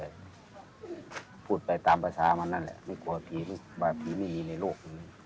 ที่จะพูดไปตามภาษามันนั่นแหละไม่กลัวหล่ะปีมีอีกในโลก